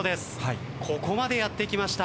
ここまでやってきました。